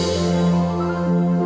bu leparin buahnya bu